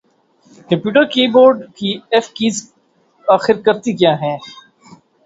computer keyboard کی F keys خر کرتی کیا ہیں